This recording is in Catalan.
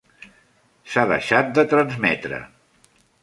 S"ha deixat de transmetre.